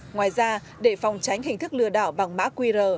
ngoài ra để phòng tránh hình thức lừa đảo bằng mã qr